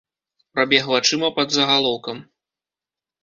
Прабег вачыма пад загалоўкам.